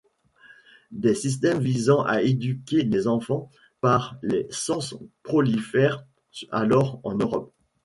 Des systèmes visant à éduquer les enfants par les sens prolifèrent alors en Europe.